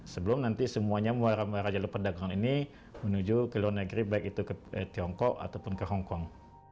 sebelum nanti semuanya merajale perdagangan ini menuju ke luar negeri baik itu ke tiongkok ataupun ke hongkong